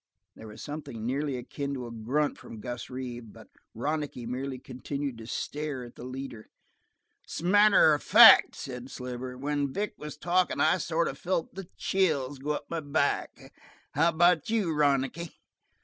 There was something nearly akin to a grunt from Gus Reeve, but Ronicky merely continued to stare at the leader. "'S a matter of fact," said Sliver, "when Vic was talkin' I sort of felt the chills go up my back. How about you, Ronicky?"